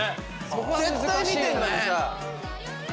絶対見てんのにさ。